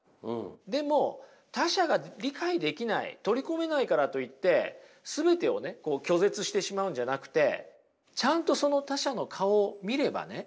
でも他者が理解できない取り込めないからといって全てを拒絶してしまうんじゃなくてちゃんとその他者の顔を見ればね